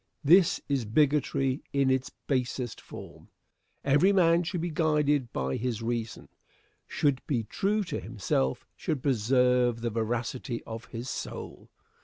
This is bigotry in its basest form. Every man should be guided by his reason; should be true to himself; should preserve the veracity of his soul.